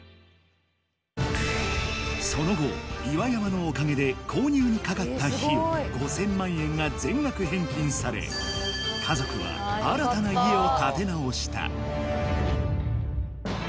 その後岩山のおかげで購入にかかった費用５０００万円が全額返金され家族は快挙の速報です